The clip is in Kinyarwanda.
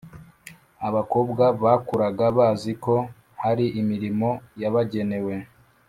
abakobwa bakuraga bazi ko hari imirimo yabagenewe.